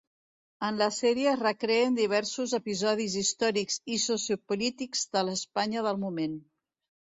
En la sèrie es recreen diversos episodis històrics i sociopolítics de l'Espanya del moment.